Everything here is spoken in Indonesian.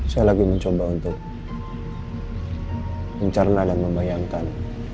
saya lagi mencoba untuk mencerna dan membayangkan